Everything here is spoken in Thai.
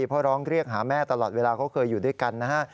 เพราะร้องเรียกหาแม่ตลอดเวลาเขาเคยอยู่ด้วยกันนะฮะ